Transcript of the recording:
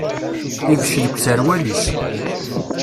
Ibecc deg userwal-is.